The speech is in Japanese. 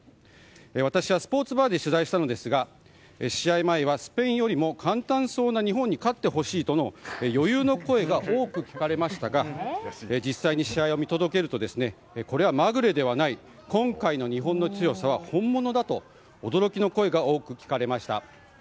私はスポーツバーで取材したのですが試合前はスペインよりも簡単そうな日本に勝ってほしいとの余裕の声が多く聞かれましたが実際に試合を見届けるとこれはまぐれではない今回の日本の強さは本物だと驚きの声が多く聞かれました。